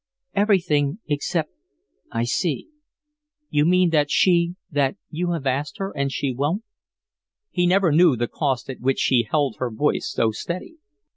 "Everything except I see. You mean that she that you have asked her and she won't?" He never knew the cost at which she held her voice so steady.